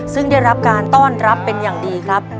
ซึ่งได้รับการต้อนรับเป็นอย่างดีครับ